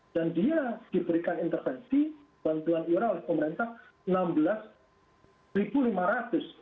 dan dia diberikan intervensi bantuan iurang oleh pemerintah enam belas lima ratus